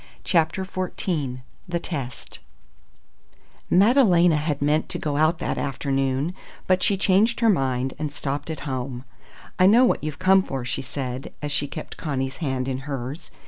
CHAPTER XIV THE TEST Madalena had meant to go out that afternoon, but she changed her mind and stopped at home. "I know what you've come for," she said, as she kept Connie's hand in hers.